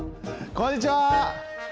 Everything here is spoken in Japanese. こんにちは。